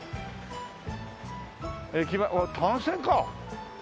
駅前あっ単線か！